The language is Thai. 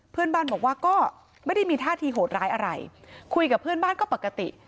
เพื่อนบ้านบอกว่าก็ไม่ได้มีท่าทีโหดร้ายอะไรคุยกับเพื่อนบ้านก็ปกติ